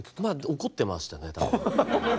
怒ってましたね多分。